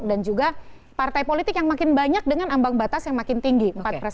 dan juga partai politik yang makin banyak dengan ambang batas yang makin tinggi